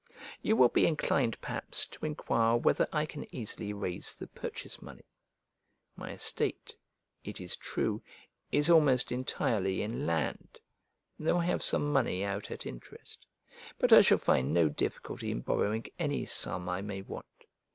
You will be inclined perhaps to enquire whether I can easily raise the purchase money? My estate, it is true, is almost entirely in land, though I have some money out at interest; but I shall find no difficulty in borrowing any sum I may want.